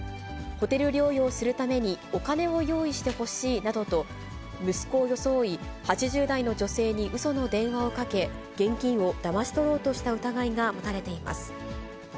ホテル療養するためにお金を用意してほしいなどと、息子を装い、８０代の女性にうその電話をかけ、現金をだまし取ろうとした疑いが持たれています。